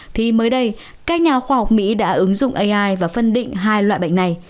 thì mới đây các nhà khoa học mỹ đã ứng dụng ai và phân định hai loại bệnh này